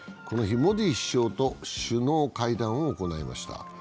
この日、モディ首相と首脳会談を行いました。